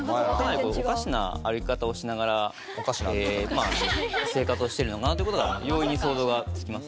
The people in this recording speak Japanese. おかしな歩き方をしながら生活をしてるのかなって事が容易に想像がつきます。